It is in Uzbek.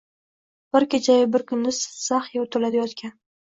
Bir kechayu bir kunduz zax yerto‘lada yotgan